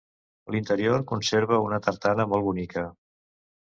L'interior conserva una tartana molt bonica.